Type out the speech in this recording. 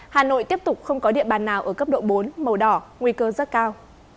hà nội tiếp tục không có địa bàn nào ở cấp độ bốn màu đỏ nguy cơ rất cao